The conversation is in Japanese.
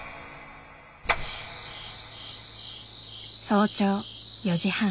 早朝４時半。